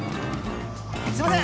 ［すいません。